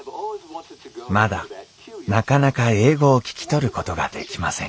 まだなかなか英語を聞き取ることができません